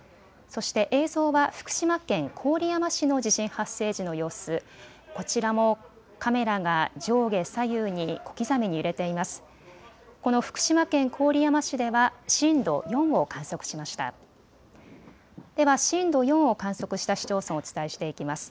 そして映像は福島県郡山市の地震発生時の様子、こちらもカメラが上下左右に小刻みに揺れています。